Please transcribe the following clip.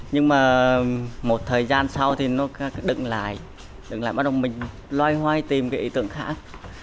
nhưng mà một thời gian sau thì nó đựng lại đừng làm bắt đầu mình loay hoay tìm cái ý tưởng khác